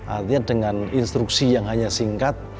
artinya dengan instruksi yang hanya singkat